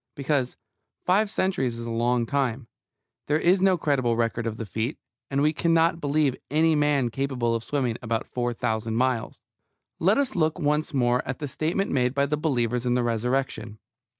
Because five centuries is a long time, there is no credible record of the feat, and we cannot believe any man capable of swimming about four thousand miles. Let us look once more at the statement made by the believers in the Resurrection.